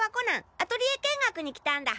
アトリエ見学に来たんだ。